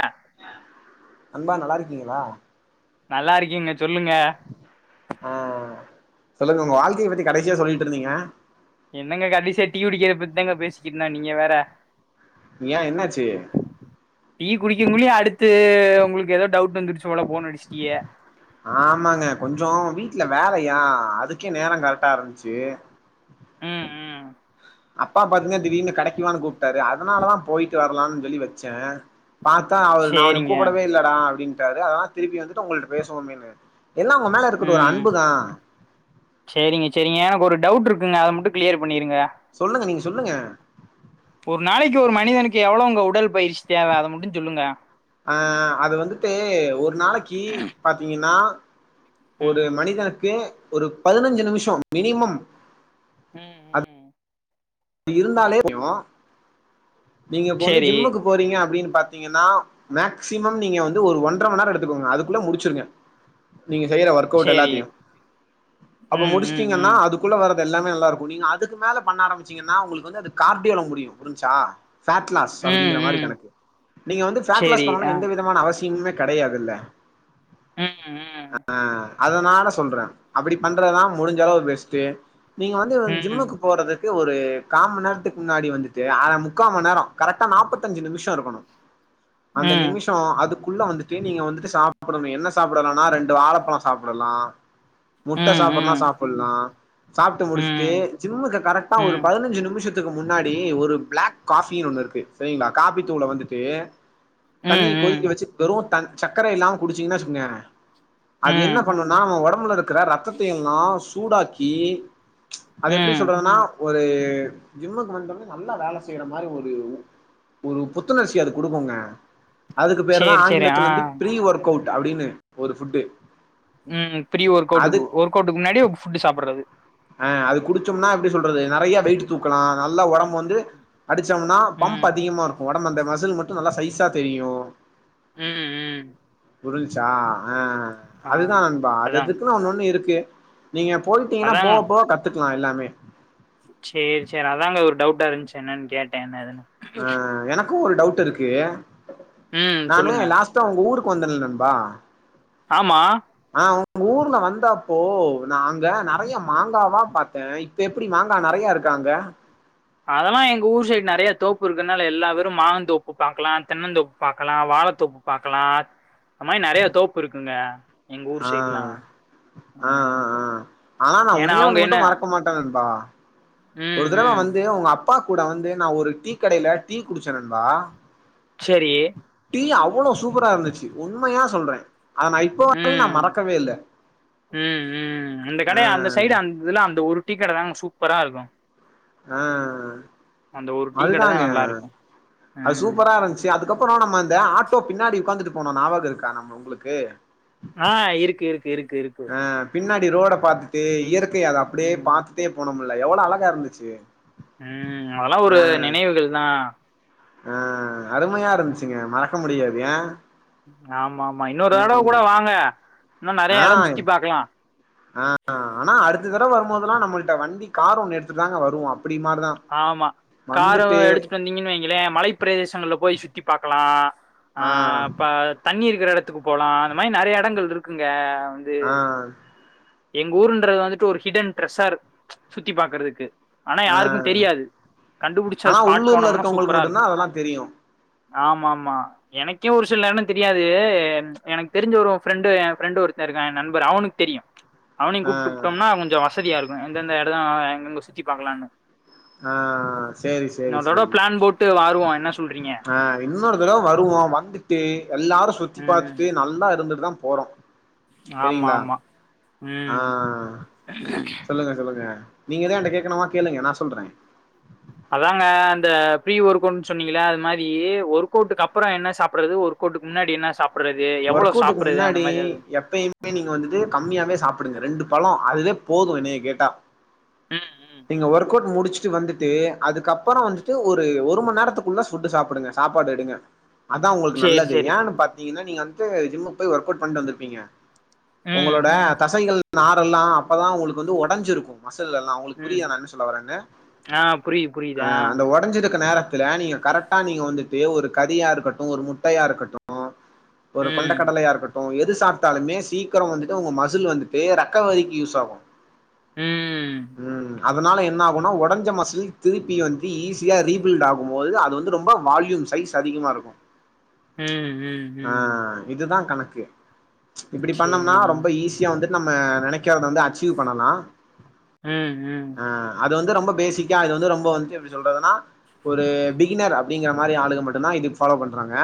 ஆ அன்பா நல்லா இருக்கீங்களா நல்லா இருக்கீங்க சொல்லுங்க ஆ சொல்லுங்க உங்க வாழ்க்கைய பத்தி கடைசியா சொல்லிட்டு இருந்தீங்க என்னங்க கடசியா டீ குடிக்கறதப் பத்தி தாங்க பேசிட்டு இருந்தோ நீங்க வேற ஏ என்னாச்சு டீ குடிக்குங்குள்ளயு அடுத்து உங்களுக்கு ஏதோ டவுட் வந்துருச்சு போல போணு அடிச்சிட்டீயே ஆமாங்க கொஞ்சோ வீட்டுல வேலையா அதுக்கே நேரோ கரெக்டா இருந்துச்சு ம் ம் அப்பா பாத்தீங்கன்ன திடீனு கடக்குவான்னு கூப்பிட்டாரு அதனாலதா போயிட்டு வரலான்னு சொல்லி வச்சே பாத்தா அவரு நா உனய சேரிங்க கூப்பிடவே இல்லடா அப்டின்னுட்டாரு அதனால திருப்பி வந்துட்டு உங்கள்டிட்ட பேசுவோமேன்னு எல்லா உங்க மேல இருக்கற ஒரு ம் அன்புதா சேரிங்க சேரிங்க எனக்கு ஒரு டவுட் இருக்குங்க அத மட்டு கிளியர் பண்ணிருங்க சொல்லுங்க நீங்க சொல்லுங்க ஒரு நாளைக்கு ஒரு மனிதனுக்கு எவ்வளவுங்க உடல் பயிற்சி தேவை அத மட்டு சொல்லுங்க அ அது வந்துட்டு ஒரு நாளைக்கி பாத்தீங்கன்னா ஒரு ம் மனிதனுக்கு ஒரு பதினஞ்சு நிமிஷம் மினிமம் ம் ம் இருந்தாலே [unintelligible] நீங்க இப்ப வந்து சேரி ஜிம்முக்கு போறீங்க அப்டின்னு பாத்தீங்கன்னா மேக்சிமம் நீங்க வந்து ஒரு ஒன்றரை மணி நேரோ எடுத்துக்கோங்க அதுக்குள்ள முடிச்சிருங்க நீங்க செய்யற ஒர்க் கவுட் சேரி எல்லாத்தையு அப்ப ம் ம் முடிச்சிட்டீங்கன்னா ம் அது க்குள்ள வர்றது எல்லாமே நல்லா இருக்கு நீங்க அதுக்கு மேல பண்ண ஆரம்பிச்சீங்கன்னா உங்களுக்கு வந்து அது கார்டியோல முடியு புரிஞ்சா ஃபேட்லாஸ் ம் அப்டிங்கிற மாரி ம் கணக்கு நீங்க வந்து ஃபேட்லாஸ் சேரி பண்ண ஆ எந்த விதமான அவ சிமே கிடையாதுல்ல ம் ம் ஆ அதனால சொல்றே அப்டி பண்றதுதா முடிஞ்ச அளவு பெஸ்ட்டு நீங்க வந்து ம் ஜிம்முக்கு போறது இது ஒரு கா மணி நேரத்துக்கு முன்னாடி வந்துட்டு அர முக்கா மணி நேரோ கரெக்டா நாற்பத்தஞ்சு நிமிஷோ இருக்கணு ம் அந்த ம் நிமிஷோ அதுக் குள்ள வந்துட்டு நீங்க வந்துட்டு சாப்புடணு என்ன சாப்டலானா ரெண்டு வாழப்பழ சாப்டலா முட்ட சாப்புன்னா ம் சாப்புல்லா சாப்ட்டு முடிச்ட்டு ம் ஜிம்முக்கு கரெக்டா ஒரு ம் பதினஞ்சு நிம் மிஷத்துக்கு முன்னாடி ஒரு பிளாக் காஃபி ஒண்ணு இருக்கு சரிங்ளா காப்பி தூள வந்துட்டு ம் தண்ணிய ம் கொதிக்க வச்சு வெறு த சக்கர இல்லாம குடிச்சீங்ன்னா சொன்ன அது ம் என்ன பண்ணுனா நம்ம ஒடம்புல இருக்கிற ரத்தத்த எல்லா சூடாக்கி அது எப்டி ம் சொல்றதுனா ஒரு ஜிம்முக்கு வந்தோனே நல்லா வேல செய்ற மாரி ஒரு ஒரு புத்துணர்ச்சிய அது குடுக்குங்க அதுக்கு பேரு தா சேரி சேரி ஆ ஆங்கிலத்துலந்து ஃப்ரீ ஒர்க் அவுட் அப்டின்னு ஒரு ஃபுட்டு ம் ஃப்ரீ அது ஒர்க்கவுட்டுக்கு ஒர்க் அவுட்டுக்கு முன்னாடி ஃபுட்டு சாப்புறது அ அது குடிச்சோம்னா எப்டி சொல்றது நறைய வெயிட்டு தூக்கலா நல்ல ஒடம்பு வந்து அடிச்சம்னா பம்ப் ம் அதிகமா இருக்கு ஒடம்பு அந்த மசில் மட்டு நல்லா சைஸா தெரியு ம் ம் புரிண்ச்சா ஆ ஆ அதுதா நண்பா அதா அதததுக்குனு ஒன்னு ஒன்னு இருக்கு நீங்க போய்ட்டீங்னா அதாங்க போக போக கத்துக்லா எல்லாமே சேர் சேரி அதாங்க ஒரு டவுட்டா இருன்ச்சு என்னன் கேட்டே என்ன ஏதுன்னு ஆ எனக்கு ஒரு டவுட் இருக்கு ம் நானு சொல்லுங்க லாஸ்ட் டா உங்க ஊருக்கு வந்தல் நண்பா ஆமா ஆ உங்க ஊர்ல வந்தாப்போ நா அங்க நறைய மாங்காவா பாத்தே இப் இப்ப எப்டி மாங்கா நறைய இருக்கா அங்க அதெல்லா எங்க ஊர் சைடு நறைய தோப்பு இருக்கனால எல்லாவெறும் மாந்தோப்பு பாக்லா தென்னந்தோப் பாக்லா வாழத்தோப்பு பாக்லா அந் மாரி நறைய தோப்பு இருக்குங்க எங்க ஊர் சைட்லா அ அ ம் அ ஆனா நா ஏன்னா ஒன்னே அவுங்க ஒண்ணு என்ன மட்டு மறக்க மாட்ட நண்பா ம் ஒரு தடவ ம் வந்து உங்க அப்பா கூட வந்து நா ஒரு டீ கடைல டீ குடிச்ச நண்பா செரி டீ அவ்ளோ சூப்பரா இருந்துச்சு உண்மையா சொல்றே அத நா இப் ம் ம் ம் அந்த ஆ கடய அந்த சைடு அந் இதுல அந்த ஒரு டீ கட தாங்க சூப்பரா இருக்கோ ஆ அந்த ஒரு டீ கடை தா அதுதாங்க நல்லா இருக்கு அது ம் சூப்பரா இருந்ச் தே அதுக்கப்புறோ நம்ம இந்த ஆட்டோ பின்னாடி உக்காந்துட்டு போனோ நாவகோ இருக்கா நம்ம உங்குளுக்கு ஆ இருக் இருக் இருக் இருக் ஆ பின்னாடி ரோட பாத்துட்டு இயற்கய அத அப்டியே ம் பாத்துட்டே போனோமுல எவ்ளோ அழகா இருந்துச்சு ம் அதுலா ஆ ஒரு நினைவுகள் தா ஆ அருமையா இருந்ச்சுங்க மறக்க முடியாது ஏன் ஆமா ஆமா இன்னொரு தடவ கூட வாங்க இன்னு ஆ நெறைய எடோ சுத்தி பாக்கலா ஆ ஆ ஆனா அடுத்த தடவ வரும்போதுலா நம்மள்ட்ட வண்டி கார் ஒன்னு எடுத்துட் தாங்க வருவோ அப்டி மாரிதா ஆமா காரவ வந்துட்டு எடுத்துட்டு வந்தீங்கன் வை ங்ளே மலைப் பிரதேசங்கள்ல போய் சுத்தி பாக்லா ஆ ப தண்ணி இருக்கிற எடத்துக்கு போலா அந்த மாரி நறைய எடங்கள் இருக்குங்க வந்து ஆ எங்க ஊருன்றது வந்துட்டு ஒரு ஹிடன் ட்ரெஷார் சுத்தி பாக்றதுக்கு ஆனா ஆ யாருக்கும் தெரியாது கண்டுபுடிச்ச ஆனா அது ஸ்பாட் உள்ளூர்ல போனம்னா இருக்கவங்களுக்கு சூப்பரா இருக்கு மட்டுந்தா அதெல்லா தெரியு ஆமாமா எனக்கே ஒரு சில எடம் தெரியாது எனக்கு தெரிஞ்ச ஒரோ ஃப்ரெண்டு எ ஃபிரண்டு ஒருத்த இருக்கா எ நண்பர் அவனுக்கு தெரியு அவனயு ஆ கூப்ட்டுப்டோம்னா கொஞ்ச வசதியா இருக்கு எந்தெந்த எட எங்கங்க சுத்தி பாக்கலான்னு ஆ சேரி அதோட பிளான் போட்டு வாருவோ என்ன சொல்றீங்க அ இன்னொரு தடவ வருவோ வந்துட்டு எல்லாரு சுத்தி ம் பாத்துட்டு நல்லா இருந்துட்டு தா போறோ ஆமா செரிங்ளா ஆமா ஆ ம் சொல்லுங்க சொல்லுங்க நீங்க எது என்ட்ட கேக்கணுமா கேளுங்க நா சொல்றே அதாங்க அந்த ஃப்ரீ ஒர்க்குன் சொன்னீங்கல அது மாரி ஒர்க்கவுட்டுக்கு அப்பற என்ன சாப்புட்றது ஒர்க் கவுட்டுக்கு முன்னாடி என்ன சாப் ஒர்க்கவுட்டுக்கு முன்னாடி எப்பையுமே நீங்க வந்துட்டு கம்மியாவே சாப்டுங்க ரெண்டு பழ அதுவே போது என்னைய கேட்டா ம் ம் நீங்க ம் ஒர்க்கவுட் முடிச்சு சச்சு வந்துட்டு அதுக்கப்பற ம் வந்துட்டு ஒரு ஒரு மண் நேரத்துக்குள்ள ஃபுட்டு சாப்டுங்க சாப்பாடு எடுங்க அதா உங்களுக்கு சேரி நல்லது சேரி ஏன்னு பாத்தீங்கனா நீங்க வந்துட்டு ஜிம்முக்கு போய் ஒர்க்கவுட் பண்ட்டு வந்திருப்பீங்க ம் ஒங்களோட தசைகள் நாரெல்லா அப்பதா உங்களுக்கு வந்து ஒடஞ்சிருக்கு மசுல் எல்லா உங்களுக்கு ம் புரியுதா நா என்ன சொல்ல வரன்னு ஆ புரியுது புரியுது அ ஆ அந்த ஒடஞ்சிருக்க நேரத் துல நீங்க கரெக்டா நீங்க வந்துட்டு ஒரு கறியா இருக்கட்டு ஒரு முட்டையா இருக்கட்டு ஒரு கொண்ட ம் கடலையா இருக்கட் டு எது சாப்டாலுமே சீக்கர வந்துட்டு உங்க மசுல் வந்துட்டு ரெக்கவரிக்கு யூஸ் ஆகு ம் ம் அதனால என்ன ஆகுனா ஒடஞ்ச மசுல் திருப்பி வந்து ஈஸியா ரீபில்ட் ஆகும் போது அது வந்து ரொம்ப வால்யூம் சைஸ் அதிகமா இருக்கு ம் ம் ம் ஆ இதுதா கணக்கு இப்டி பண்ணம்னா சேரி ரொம்ப ஈஸி யா வந்துட்டு நம்ம நெனைக்காதத வந்து அச்சீவ் பண்ணலா ம் ம் ஆ அது வந்து ரொம்ப பேசிக்கா அது வந்து ரொம்ப வந்துட்டு எப்டி சொல்றதுனா ஒரு பிகினர் அப்டிங்கிற மாரி ஆளுங்க மட்டுந்தா இதுக்கு ஃபாலோ பண்றாங்க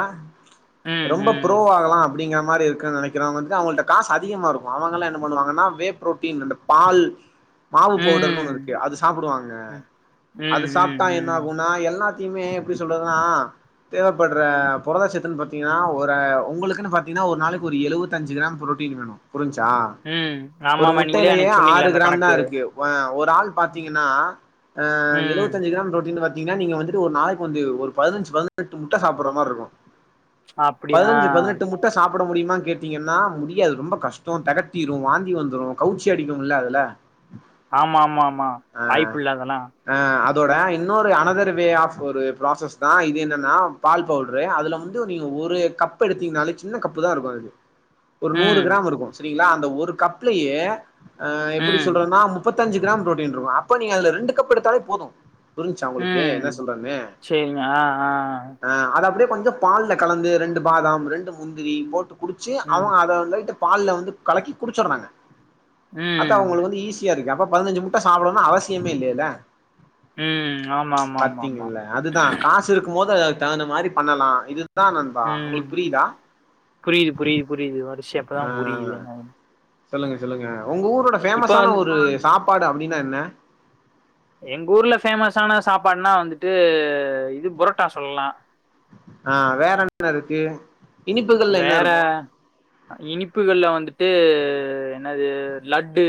ம் ரொம்ப ம் ப்ரோவாகலா அப்டிங்கிற மாரி இருக்க நெனைக் கிறவ்ங்க வந்துட்டு அவ்ங்கள்ட்ட காசு அதிகமா இருக்கு அவங்கலா என்ன பண்ணுவாங்கன்னா வே புரோட்டின் அந்த பால் மாவு பவுடர்னு ஒன்னு ம் இருக்கு அது சாப்டுவாங்க ம் அது ம் ம் சாப்ட்டா என்ன ம் ஆகுனா எல்லா த்துமே எப்டி சொல்றதுனா தேவப்பட்ற பொரதச்சத்துன் பாத்தி ஏனா ஒரு உங்களுக்குன்னு பாத்தீங்கனா ஒரு நாளைக்கு ஒரு எழுவத்தஞ்சு கிராம் புரோட்டீன் வேணு புரிஞ்ச்சா ம் ஒரு ஆமாமா நீங்களே முட்டைலயே அன்னைக்கு ஆறு சொன்னீங்களே அந்த கிராம் தா கணக்கு இருக்கு வ ஒரு ஆள் பாத்தீங்கனா அ ம் எழுவத்தஞ்சு கிராம் புரோட்டீனு வர் தீங்னா நீங்க வந்துட்டு ஒரு நாளைக்கு வந்து ஒரு பதினஞ்சு பதினெட்டு முட்ட சாப்புட்ற மார்ருக்கு அப்டியா பதினஞ்சு பதினெட்டு முட் முட்ட சாப்புட முடியுமானு கேட்டீங்கனா முடியாது அது ரொம்ப கஷ்ட தெகட்டிரு வாந்தி வந்துரு கவுச்சி அடிக்குல்ல அதுல ஆமா ஆமா ஆமா வாய்ப்பில்ல அதெல்லா அ அதோட இன்னொரு அனதர் வே ஆஃப் ஒரு ப்ராசஸ் தா இது என்னன்னா பால் பவ்ட்ரு அதுல வந்து நீங்க ஒரு கப் எடுத்தீங்கனாலே சின்ன கப்பு தா இருக்கு அது ஒரு நூறு ம் கிராம் இருக்கு செரிங்ளா அந்த ஒரு கப்லயே அ எப்டி ம் சொல்றன்னா முப் முப்பத்தஞ்சு கிராம் புரேட்டின் இருக்கு அப்ப நீங்க அதுல ரெண்டு கப் எடுத்தாலே போது புரிஞ்ச்சா உங்களுக்கு ம் என்ன சொல்றன்னு சேரிங்க ஆ ஆ ஆ அத அப்டியே கொஞ்ச பால்ல கலந்து ரெண்டு பாதாம் ரெண்டு முந்திரி போட்டு குடிச்சி அவ ம் அத லைட்டா பால்ல வந்து கலக்கி குடிச்சிட்றாங்க அதா ம் அவுங்களுக்கு வந்து ஈசி தியா இருக்கே அப்ப பதினஞ்சி முட்ட சாப்படனு அவசியமே இல்லேல ம் ஆமா ஆமா ஆமா ஆமா பாத்தீங்கல்ல அதுதா காசு இருக்குமோது அதுக்கு தகுந்த மாரி பண்ணலா இது ம் புரிது புரிது புரிது வரிஸ்யா இப்பதா ஆ புரிது என்னனு சொல்லுங்க சொல்லுங்க உங்க ஊரோட இப்ப ஃபேமஸான வந்து ஒரு சாப்பாடு அப்டினா என்ன எங்க ஊர்ல ஃபேமஸான சாப்பாட்னா வந்துட்டு இது புரோட்டா சொல்லலா ஆ வேற என்ன இருக்கு இனிப்புகள்ல என்ன வேற இருக்கு இனிப்புகள்ல வந்துட்டு என்னது லட்டு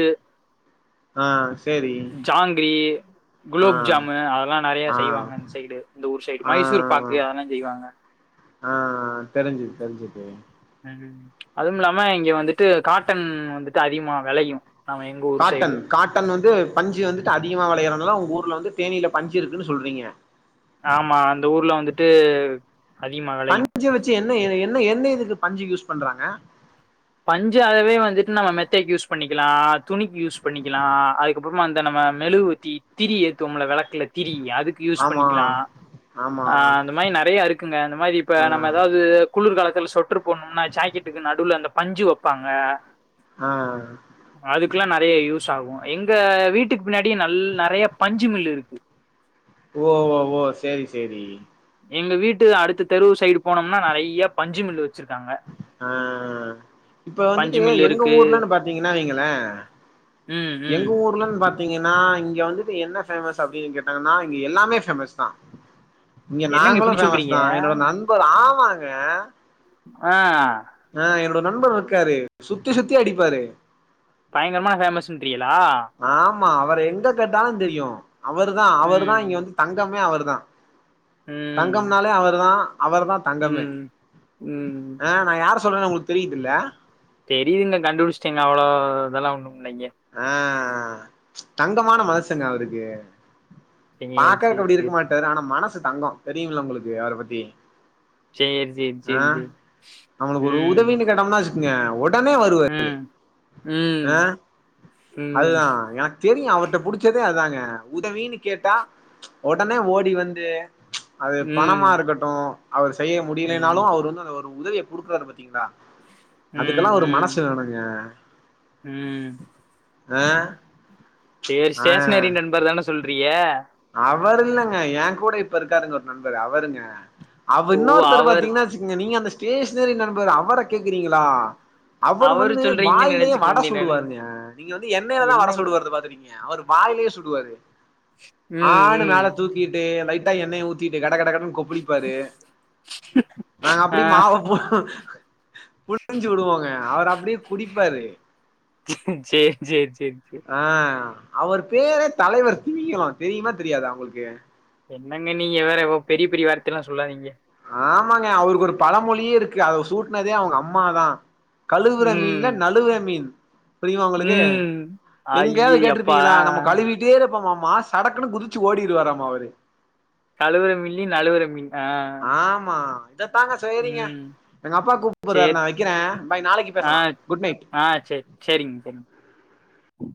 ஆ சேரி ஜாங்கிரி ஆ குலாப்ஜாமு அதலா நெறைய ஆ செய்வாங்க இந் சைடு இந்த ஊர் சைடு ஆ மைசூர்பாக்கு அதெல்லா செய்வாங்க ஆ ஆ தெரிஞ்சுது தெரிஞ்சுது ம் அதும் இல்லாம இங்க வந்துட்டு காட்டன் வந்துட்டு அதிகமா வெளையு நம்ம எங்க ஊர் சைடு காட்டன் காட்டன் வந்து பஞ்சு வந்துட்டு அதிகமா வெளையறதுனால உங் ஊர்ல வந்து தேனில பஞ்சு இருக்குனு சொல்றீங்க ஆமா அந்த ஊர்ல வந்துட்டு அதிகமா வெளையு பஞ்சு வச்சு என்ன இத என்ன என்ன இதுக்கு பஞ்சு யூஸ் பண்றாங்க பஞ்சு அதவே வந்துட்டு நம்ம மெத்தைக் யூஸ் பண்ணிக்குலா துணிக்கு யூஸ் பண்ணிக்குலா அதுக்கப்புற்மா அந்த நம்ம மெழுவு த்தி திரி ஏத்துவம்ல வெளக்குல திரி அது க்கு யூஸ் ஆமா பண்ணிக்குலா ஆமா ஆ அந்த மாரி நெறையா இருக்குங்க அந்த மாரி இப்ப ஆ நம்ம எதாவ்து குளிர்காலத்துல சொட்ரு போட்னும்னா ஜாக்கெட்டுக்கு நடுல அந்த பஞ்சு வப்பாங்க ஆ அதுக்குலா நெறைய யூஸாகு எங்க வீட்டுக்கு பின்னாடி நல் நெறைய பஞ்சு மில் இருக்கு ஓ ஓ ஓ சேரி சேரி எங்க வீட்டு அடுத்த தெருவு சைடு போனம்னா நெறைய பஞ்சு மில்லு வச்சிருக்காங்க ஆ இப்ப பஞ்சு வந்துட்டு மில்லு எங்க இருக்கு ஊர்லனு பாத்தீங்கனா வைங்கள ம் எங்க ம் ஊர்லன்பாத் தீங்கனா இங்க வந்துட்டு என்ன பேமஸ் அப்டினு கேட்டாங்கனா இங்க எல்லாமே பேமஸ்தா இங்க என்னங்க நாங்களு இப்டி சொல்றீங்க பேமஸ்தா என்னோட நண்பர் ஆமாங்க ஆ ஆ என்னோட நண்பர் இர்க்காரு சுத்தி சுத்தி அடிப்பாரு பயங்கரமான ஃபேமஸ்ன்றியளா ஆமா அவர எங்க கேட்டாலு தெரியு அவரு தா அவரு தா இங்க ம். வந்து தங்கமே அவரு தா ம். தங்கம்னாலே அவரு தா அவரு தா தங்கமே ம். ம். ஆ நா யார சொல்றேனு உங்ளுக் தெரிதுல தெரியுது நா கண்டுபிடிச்டேங்க அவுளோ இதெல்லா ஒன்னுமில்லைங்க ஆ தங்கமான மனசுங்க அவருக்கு சரி, பாக்கற்க்கு சரி, அப்டி இருக்க சரி. மாட்டாரு ஆனா மனசு தங்கோ தெரியும்ல உங்களுக்கு அவர பத்தி சரி, சரி, அ சரி, சரி. நமளுக்கு ஒரு ம். உதவினு கேட்டம்னா வச்சுக்கிங்க ஒ டனே வருவாரு ம். அ ம். ம். அதுதா எனக் தெரியு அவர்ட்ட புடிச்சதே அதாங்க உதவினு கேட்டா ஒடனே ஓடி வந்து அது பணமா ம். இருக்கட்டு அவர் செய்ய முடியலேனாலு ம். அவர் வந்து அந்த ஒரு உதவிய குடுக்குறாரு பாத்தீங்ளா ம். அதுக்கெல்லா ஒரு மனசு ம். வேணுங்க ம் அ சேரி ஸ்டேஷ்னரி நண்பர் தான சொல்றீய அவர் இல்லங்க ஏன் கூட இப்ப இருக்காருங்க ஒர் நண்பர் அவருங்க அவ ஓ! இன்னொருத்தர அவர் பாத்தீங்னா ச்சு நீங்க அந்த ஸ்டேஷ்னரி நண்பர் அவர கேக்குறீங்களா அவரு வந்து சொல்றீங்கன்னு வாயிலயே நெனச்சுட்டு வட இருந்தேன் நானு. சுடுவாருங்க நீங்க வந்து எண்ணெய்ல தா வட என்னங்க? சுடுவறத பாத்துருக்கீங்க அவரு வாயிலே சுடுவாரு ஆ ம். னு ம். மேல தூக்கிட்டு லைட்டா எண்ணய ஊத்திட்டு கட கட கடன்னு கொப்பிளிப்பாரு அ ஆ அப்டி மாவ போ புழுஞ்சி விடுவோங்க அவரு அப்டியே குடிப்பாரு சேரி சேரி சேரி சேரி ஆ அவர் பேரே தலைவர் திமிங்கலோ தெரியுமா தெரியாத உங்களுக்கு என்னங்க நீங்க வேற பெரிய பெரிய வார்த்தல்லா சொல்லாதீங்க ஆமாங்க அவருக்கு ஒரு பழ மொழியே இருக்கு அத சூட்னதே அவுங்க அம்மாதா கழுவுற மீன்ல ம். நழுவுற மீன் புரியுமா உங்களுக்கு ம் ஐய எங்கேயாது யப்பா கேட்டிருப்பீங்ளா நம்ம கழுவி அப்டியை இருப்பமாமா சடக்குன்னு குதிச்சு ஓடிடுவாரம்மா அவரு கழுவுர மீன்லயும் நழுவுர மீன் ஆ ஆமா இத தாங்க செய்ரிங்க ம் எங்க அப்பா கூப்புட்றாரு சேர் நா வெக்கிறே பாய் நாளைக்கு ஆ பேசலா குட் நைட் ஆ செரி சேரிங்க சேரிங்க